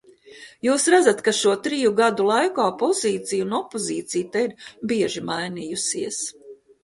Jūs redzat, ka šo triju gadu laikā pozīcija un opozīcija te ir bieži mainījusies.